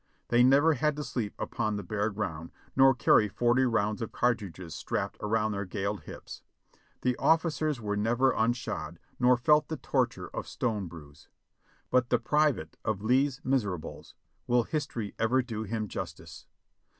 They never had to sleep upon the bare ground nor carry forty rounds of cartridges strapped around their galled hips ; the officers were never unshod nor felt the torture of stone bruise. But the private of "Lee's Miser ables !" will history ever do him justice?